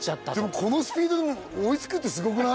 このスピードで追いつくってすごくない？